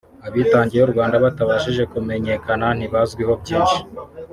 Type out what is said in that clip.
Abitangiye u Rwanda batabashije kumenyekana ntibazwiho byinshi